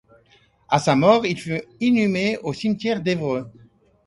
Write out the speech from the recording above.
À sa mort, il fut inhumé au cimetière d'Évreux.